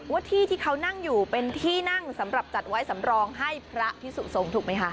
ว่าที่ที่เขานั่งอยู่เป็นที่นั่งสำหรับจัดไว้สำรองให้พระพิสุสงฆ์ถูกไหมคะ